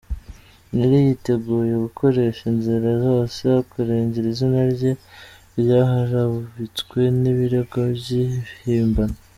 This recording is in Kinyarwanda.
Nelly yiteguye gukoresha inzira zose akarengera izina rye ryaharabitswe n’ibirego by’ibihimbano.